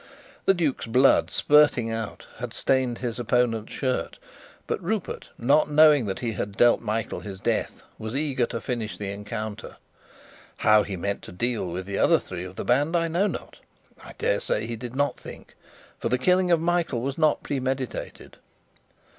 The duke's blood, spurting out, had stained his opponent's shirt; but Rupert, not knowing that he had dealt Michael his death, was eager to finish the encounter. How he meant to deal with the other three of the band, I know not. I dare say he did not think, for the killing of Michael was not premeditated.